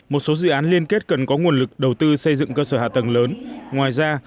một số dự án liên kết cần có nguồn lực đầu tư xây dựng cơ sở hạ tầng lớn ngoài ra